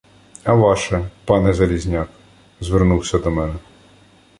— А ваше, пане Залізняк? — звернувся до мене.